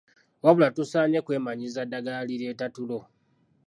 Wabula tosaanye kwemanyiiza ddagala lireeta tulo.